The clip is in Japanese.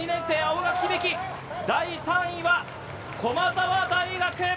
第３位は駒澤大学。